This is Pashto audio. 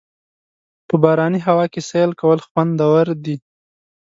په باراني هوا کې سیل کول خوندور دي.